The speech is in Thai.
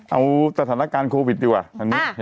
เอาสถานการณ์โควิดดีกว่า